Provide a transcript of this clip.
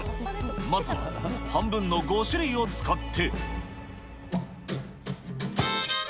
まずは半分の５種類を使って。